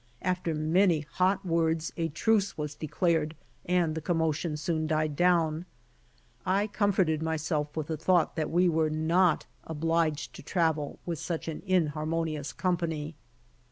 After many hot words, a truce was declared and the commotion soon died down. I com forted myself with the thought that we were not obliged to travel with such an inharmonious company.